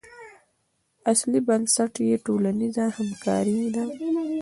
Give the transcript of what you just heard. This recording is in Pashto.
اصلي بنسټ یې ټولنیزه نه همکاري ده.